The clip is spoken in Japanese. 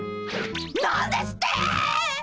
何ですって！